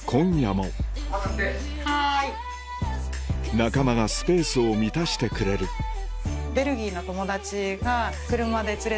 仲間がスペースを満たしてくれるそういう。